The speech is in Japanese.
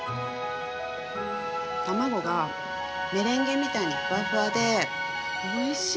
卵がメレンゲみたいにふわふわでおいしい！